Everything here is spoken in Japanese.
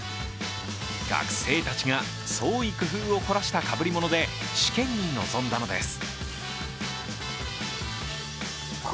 学生たちが、創意工夫を凝らしたかぶりもので試験に臨んだのです。